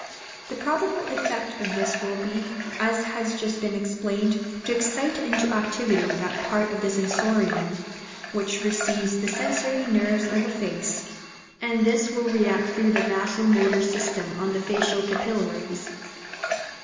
The probable effect of this will be, as has just been explained, to excite into activity that part of the sensorium, which receives the sensory nerves of the face; and this will react through the vaso motor system on the facial capillaries.